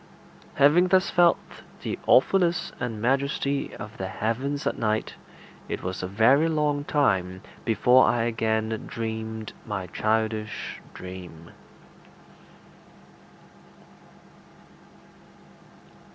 Having thus felt the awfulness and majesty of the heavens at night, it was a very long time before I again dreamed my childish dream.